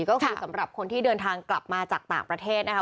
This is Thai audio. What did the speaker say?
ก็คือสำหรับคนที่เดินทางกลับมาจากต่างประเทศนะคะ